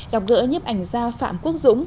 gặp gỡ nhấp ảnh gia phạm quốc dũng